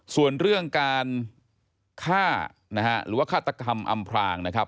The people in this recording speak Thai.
ส่วนเรื่องการฆ่านะฮะหรือว่าฆาตกรรมอำพรางนะครับ